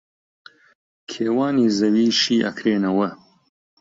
کێوانی زەوی شی ئەکرێنەوە